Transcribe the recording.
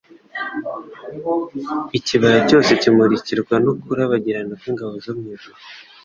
Ikibaya cyose kimurikirwa no kurabagirana kw'ingabo zo mu ijuru.